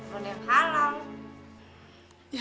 bukan yang halal